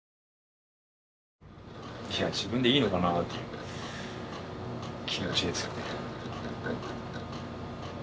自分でいいのかなという気持ちですよね。